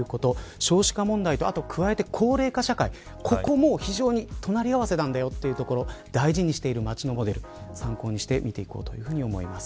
少子化問題と加えて高齢社会ここの隣り合わせなんだというところを大事にしている町のモデル参考にしてみていこうと思います。